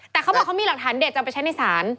แต่เขาบอกเขามีหลักฐานเด็ดจะไปใช้ในศาล